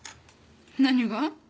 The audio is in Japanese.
何が？